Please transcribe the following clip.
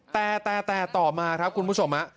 แต่แต่ต่อมาครับคุณผู้ชม